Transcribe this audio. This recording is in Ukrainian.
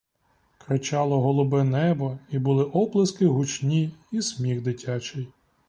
Кричало голубе небо, і були оплески гучні і сміх дитячий.